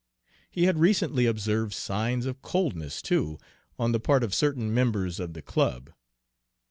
He had recently observed signs of coldness, too, on the part of certain members of the club.